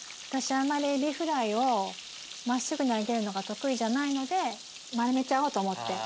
あんまりエビフライをまっすぐに揚げるのが得意じゃないので丸めちゃおうと思って。